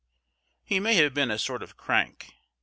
He may have been a sort of crank.